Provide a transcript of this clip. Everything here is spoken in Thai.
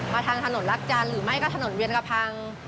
ทางถนนรักจันทร์หรือไม่ก็ถนนเวียนกระพัง